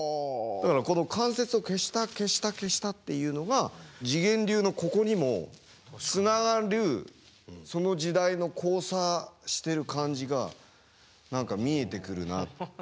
だからこの関節を消した消した消したっていうのが自顕流のここにもつながるその時代の交差してる感じが何か見えてくるなって。